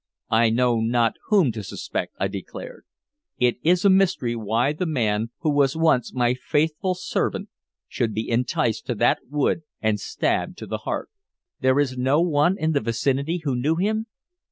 "I know not whom to suspect," I declared. "It is a mystery why the man who was once my faithful servant should be enticed to that wood and stabbed to the heart." "There is no one in the vicinity who knew him?"